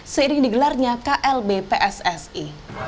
seiring digelarnya klb pssi